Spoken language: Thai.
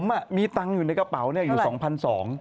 ผมมีตังค์อยู่ในกระเป๋าอยู่๒๒๐๐บาท